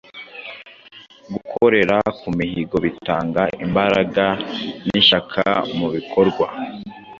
Gukorera ku mihigo bitanga imbaraga n’ishyaka mu bikorwa